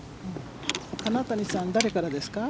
金谷さん、誰からですか？